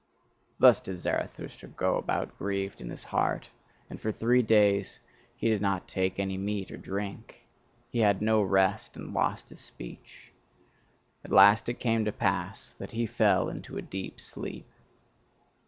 Thus did Zarathustra go about grieved in his heart, and for three days he did not take any meat or drink: he had no rest, and lost his speech. At last it came to pass that he fell into a deep sleep.